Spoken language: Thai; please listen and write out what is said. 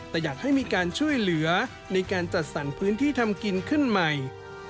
แต่อยากให้มีการช่วยเหลือในการจัดสรรพื้นที่ทำกินขึ้นใหม่